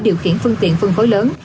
điều khiển phương tiện phân khối lớn